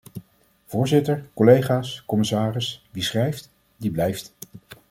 Voorzitter, collega's, commissaris, wie schrijft, die blijft.